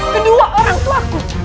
kedua orang tuaku